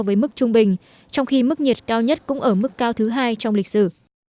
với mức trung bình trong khi mức nhiệt cao nhất cũng ở mức cao thứ hai trong lịch sử